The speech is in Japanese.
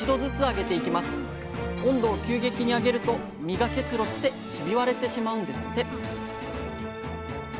温度を急激に上げると実が結露してひび割れてしまうんですって